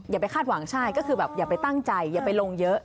อย่าไปคาดหวังใช่ก็คือแบบอย่าไปตั้งใจอย่าไปลงเยอะ